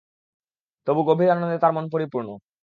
তবু গভীর আনন্দে তাঁর মন পরিপূর্ণ।